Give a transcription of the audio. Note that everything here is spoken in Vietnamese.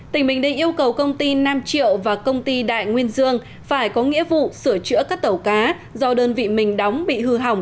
tỉnh bình định yêu cầu công ty nam triệu và công ty đại nguyên dương phải có nghĩa vụ sửa chữa các tàu cá do đơn vị mình đóng bị hư hỏng